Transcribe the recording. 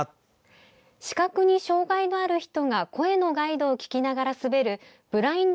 視覚に障害のある人が声のガイドを聞きながら滑るブラインド